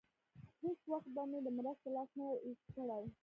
هېڅ وخت به مې د مرستې لاس نه وای اوږد کړی.